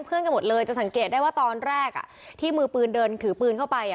เพื่อนกันหมดเลยจะสังเกตได้ว่าตอนแรกอ่ะที่มือปืนเดินขึ้นปืนเข้าไปอ่ะ